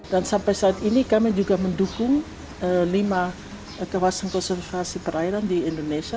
dan sampai saat ini kami juga mendukung lima kawasan konservasi perairan di indonesia